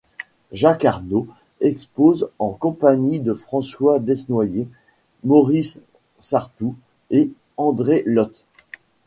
Jacques Arnaud expose en compagnie de François Desnoyer, Maurice Sarthou et André Lhote.